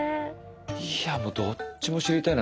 いやどっちも知りたいな。